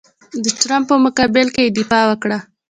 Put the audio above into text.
د ټرمپ په مقابل کې یې دفاع وکړه.